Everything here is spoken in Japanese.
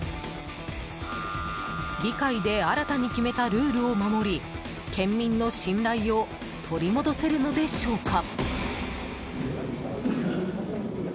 議会で新たに決めたルールを守り県民の信頼を取り戻せるのでしょうか。